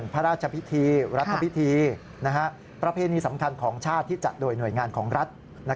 พระราชพิธีรัฐพิธีประเพณีสำคัญของชาติที่จัดโดยหน่วยงานของรัฐ